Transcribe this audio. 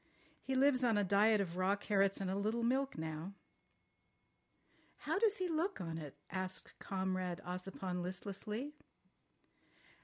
He lives on a diet of raw carrots and a little milk now." "How does he look on it?" asked Comrade Ossipon listlessly.